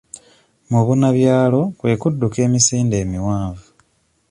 Mubunabyalo kwe kudduka emisinde emiwanvu.